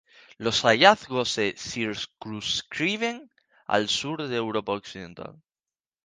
Los hallazgos se circunscriben al sur de Europa occidental.